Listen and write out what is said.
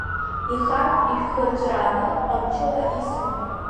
Ихарԥ ишәхырҵәрааны, ҟамчыла исуан.